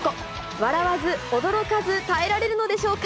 笑わず、驚かず、耐えられるのでしょうか？